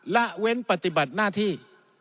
ละเว้นปฏิบัติหน้าที่